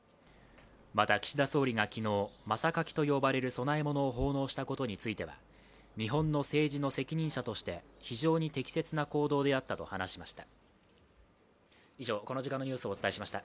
また、岸田総理が昨日、まさかきと呼ばれる供え物を奉納したことについては日本の政治の責任者として非常に適切な行動であったと話しました。